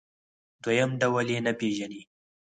دویم ډول یې نه پېژني.